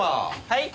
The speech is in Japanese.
はい？